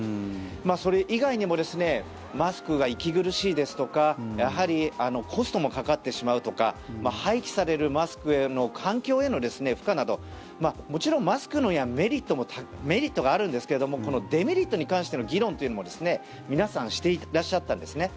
それ以外にもマスクが息苦しいですとかやはりコストもかかってしまうとか廃棄されるマスクの環境への負荷などもちろんマスクにはメリットがあるんですけどもデメリットに関しての議論というのも皆さんしていらっしゃったんですね。